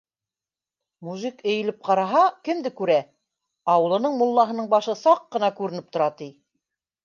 Мужик эйелеп ҡараһа, кемде күрә - ауылының муллаһының башы саҡ ҡына күренеп тора, ти.